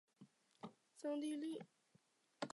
桑蒂利。